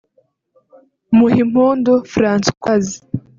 Muhimpundu Francoise